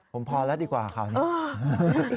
ผมพอแล้วดีกว่าข่าวนี้